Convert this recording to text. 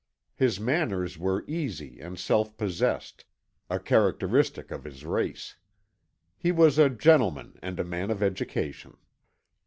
His manners were easy and self possessed a characteristic of his race. He was a gentleman and a man of education.